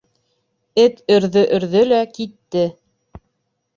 Эт өрҙө-өрҙө лә китте.